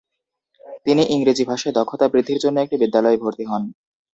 তিনি ইংরেজি ভাষায় দক্ষতা বৃদ্ধির জন্য একটি বিদ্যালয়ে ভর্তি হন।